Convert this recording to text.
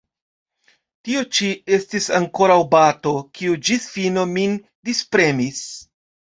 Tio ĉi estis ankoraŭ bato, kiu ĝis fino min dispremis.